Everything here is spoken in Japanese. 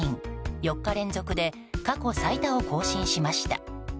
４日連続で過去最多を更新しました。